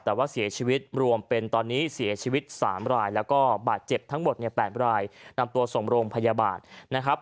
แต่ว่าเสียชีวิตรวมเป็นตอนนี้เสียชีวิต๓รายแล้วก็บาดเจ็บทั้งหมดเนี่ย๘รายนำตัวส่งโรงพยาบาลนะครับ